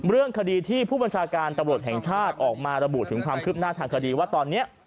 เรื่องคดีที่ผู้บัญชาการตำรวจแห่งชาติออกมาระบุถึงความคืบหน้าทางคดีว่าตอนนี้